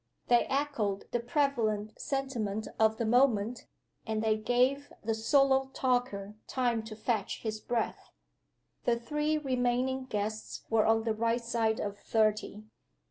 They echoed the prevalent sentiment of the moment; and they gave the solo talker time to fetch his breath. The three remaining guests were on the right side of thirty.